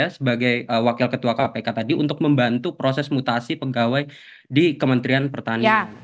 sebagai wakil ketua kpk tadi untuk membantu proses mutasi pegawai di kementerian pertanian